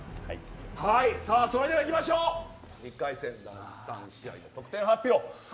それではいきましょう１回戦第３試合、得点発表。